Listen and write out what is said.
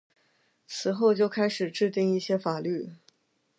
此后就开始制定一些法律。